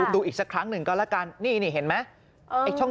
ดูอีกสักครั้งหนึ่งก็แล้วกันนี่เห็นไหม